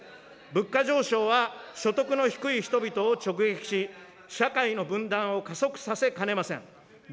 物価上昇は所得の低い人々を直撃し、社会の分断を加速させかねません。